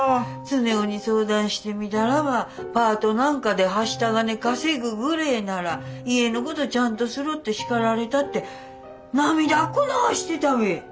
常雄に相談してみだらばパートなんかではした金稼ぐぐれえなら家のことちゃんとすろって叱られたって涙っこ流してだべ。